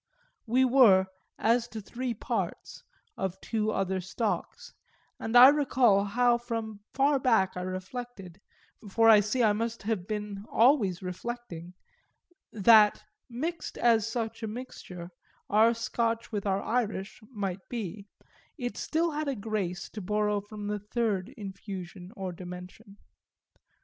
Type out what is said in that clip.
We were, as to three parts, of two other stocks; and I recall how from far back I reflected for I see I must have been always reflecting that, mixed as such a mixture, our Scotch with our Irish, might be, it had had still a grace to borrow from the third infusion or dimension.